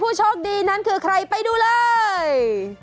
โชคดีนั้นคือใครไปดูเลย